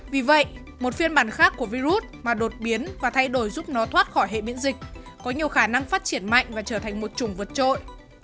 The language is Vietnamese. vì vậy một phiên bản khác của virus mà đột biến và thay đổi giúp nó thoát khỏi hệ biễn dịch có nhiều khả năng phát triển mạnh và trở thành một chủng vượt trội